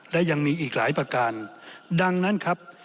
และยังมีอีกหลายประการดังนั้นครับ